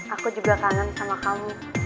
aku juga kangen sama kamu